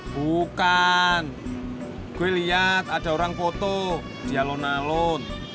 bukan gue lihat ada orang foto di alonalon